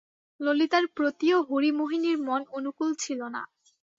ললিতার প্রতিও হরিমোহিনীর মন অনুকূল ছিল না।